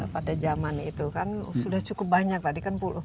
pada zaman itu kan sudah cukup banyak tadi kan puluhan